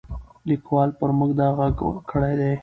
لیکوال پر موږ دا غږ کړی دی.